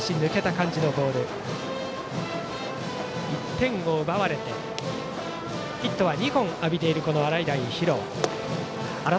１点を奪われてヒットは２本浴びている洗平比呂。